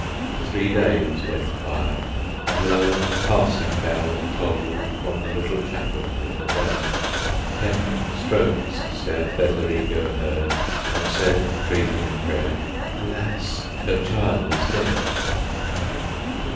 Three days went by, and lo! a passing bell Tolled from the little chapel in the dell; Ten strokes Ser Federigo heard, and said, Breathing a prayer, "Alas! her child is dead!"